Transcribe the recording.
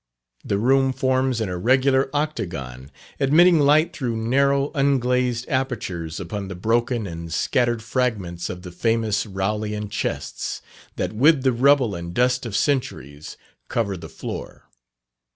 The room forms an irregular octagon, admitting light through narrow unglazed apertures upon the broken and scattered fragments of the famous Rowleian chests, that with the rubble and dust of centuries cover the floor.